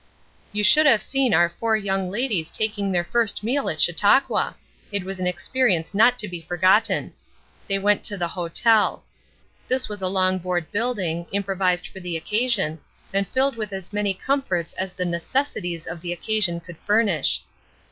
You should have seen our four young ladies taking their first meal at Chautauqua! It was an experience not to be forgotten. They went to the "hotel." This was a long board building, improvised for the occasion, and filled with as many comforts as the necessities of the occasion could furnish.